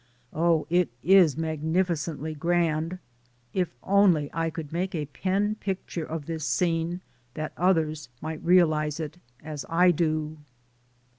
Oh, it is magnifi cently grand. If only I could make a pen picture of this scene that others might realize it, as I do.